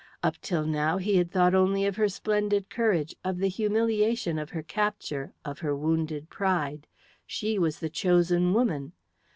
Up till now he had thought only of her splendid courage, of the humiliation of her capture, of her wounded pride; she was the chosen woman.